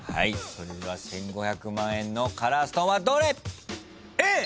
それでは１，５００万円のカラーストーンはどれ？